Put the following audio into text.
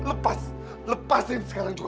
lepas lepasin sekarang juga